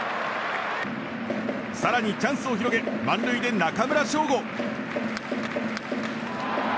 更にチャンスを広げ満塁で、中村奨吾！